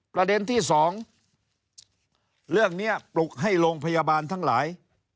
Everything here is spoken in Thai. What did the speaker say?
ประเด็นที่สองเรื่องนี้ปลุกให้โรงพยาบาลทั้งหลาย